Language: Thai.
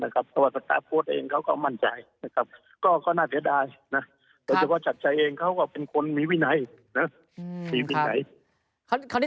เกมือจากเราก็ว่าจัดทางได้